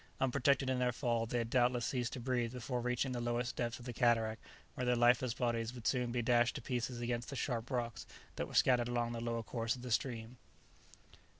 Unprotected in their fall, they had doubtless ceased to breathe before reaching the lowest depths of the cataract where their lifeless bodies would soon be dashed to pieces against the sharp rocks that were scattered along the lower course of the stream.